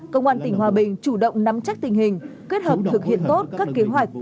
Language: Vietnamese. công an tỉnh hòa bình chủ động nắm chắc tình hình kết hợp thực hiện tốt các kế hoạch